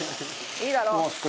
いいだろう。